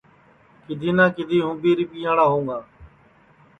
کِدھی نہ کِدھی ہوں بھی رِپیاڑا ہوںگا